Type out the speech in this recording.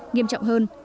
nghiêm trọng hơn